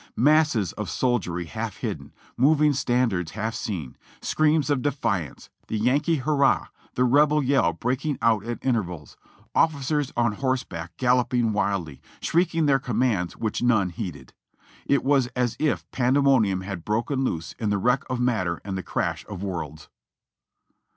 Masses of soldiery half hidden, moving standards half seen, screams of defiance, the Yankee hurrah, the Rebel yell breaking out at intervals, of^cers on horseback galloping wildly, shrieking their commands which none heeded. It was as if pan demonium had broken loose in the wreck of matter and the crash of worlds.